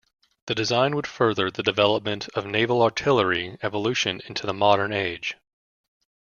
The design would further the development of naval artillery evolution into the modern age.